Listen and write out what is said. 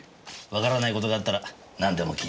わからない事があったらなんでも訊いてよ。